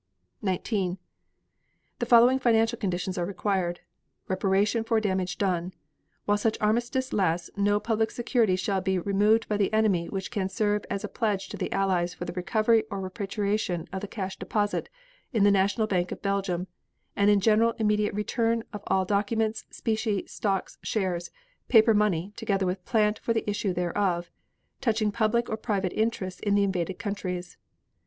19. The following financial conditions are required: Reparation for damage done. While such armistice lasts no public securities shall be removed by the enemy which can serve as a pledge to the Allies for the recovery or repatriation of the cash deposit, in the National Bank of Belgium, and in general immediate return of all documents, specie, stocks, shares, paper money together with plant for the issue thereof, touching public or private interests in the invaded countries.